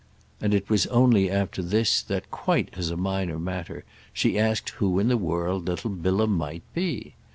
And it was only after this that, quite as a minor matter, she asked who in the world little Bilham might be.